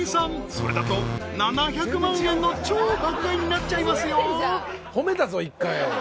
それだと７００万円の超爆買いになっちゃいますよ］